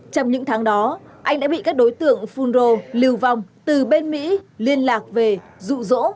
trong những tháng đó anh đã bị các đối tượng phun rồ lưu vong từ bên mỹ liên lạc về dụ dỗ